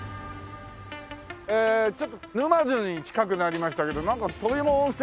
えーちょっと沼津に近くなりましたけどなんか土肥も温泉だな。